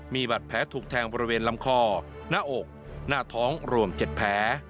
มีบัตรแผลถูกแทงบริเวณลำคอหน้าอกหน้าท้องรวม๗แผล